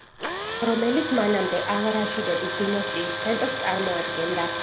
რომელიც მანამდე ალ რაშიდების დინასტიის ცენტრს წარმოადგენდა.